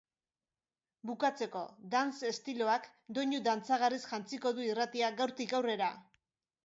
Bukatzeko, dance estiloak doinu dantzagarriz jantziko du irratia gaurtik aurrera.